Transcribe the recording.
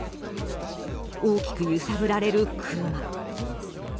大きく揺さぶられる車。